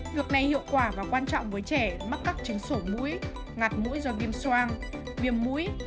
việc này hiệu quả và quan trọng với trẻ mắc các trứng sổ muối ngạt muối do viêm soang viêm muối